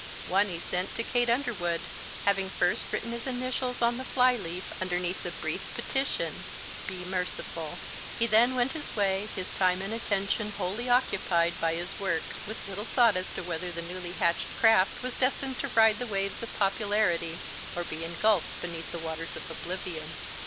One he sent to Kate Underwood, having first written his initials on the fly leaf underneath the brief petition, "Be merciful." He then went his way, his time and attention wholly occupied by his work, with little thought as to whether the newly launched craft was destined to ride the waves of popularity or be engulfed beneath the waters of oblivion.